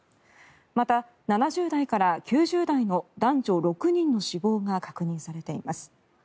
また、７０代から９０代の男女６人の死亡が確認されています。